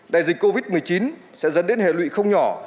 đại dịch covid một mươi chín sẽ dẫn đến hệ lụy không nhỏ